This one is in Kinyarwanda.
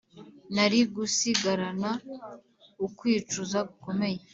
narigusigarana ukwicuza gukomeye